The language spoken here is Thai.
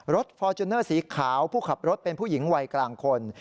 ฟอร์จูเนอร์สีขาวผู้ขับรถเป็นผู้หญิงวัยกลางคน